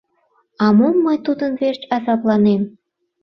«А мом мый тудын верч азапланем?